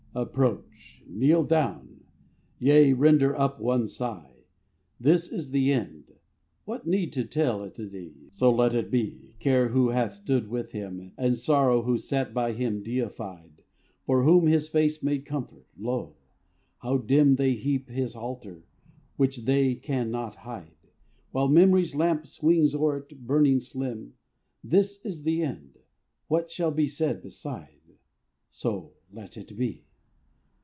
Approach: kneel down: yea, render up one sigh! This is the end. What need to tell it thee! So let it be. So let it be. Care, who hath stood with him, And sorrow, who sat by him deified, For whom his face made comfort, lo! how dim They heap his altar which they can not hide, While memory's lamp swings o'er it, burning slim. This is the end. What shall be said beside? So let it be.